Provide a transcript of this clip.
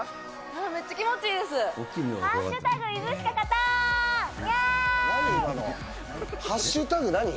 めっちゃ気持ちいいです。＃何？